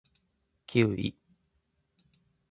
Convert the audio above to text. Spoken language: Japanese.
キウイ